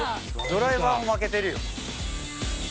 ドライバーも負けてるよ。